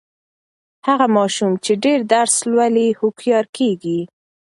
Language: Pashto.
هغه ماشوم چې ډېر درس لولي، هوښیار کیږي.